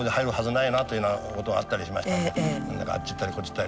何だかあっちいったりこっちいったり。